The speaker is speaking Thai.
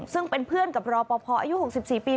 ซึ่งเป็นเพื่อนกับรอปภอายุ๖๔ปี